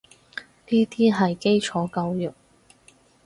呢啲係基礎教育